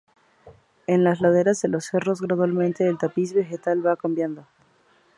En las laderas de los cerros gradualmente el tapiz vegetal va cambiando.